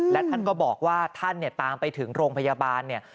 และท่านก็บอกว่าท่านเนี่ยตามไปถึงโรงพยาบาลเนี่ย